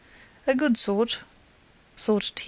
"A good sort," thought T.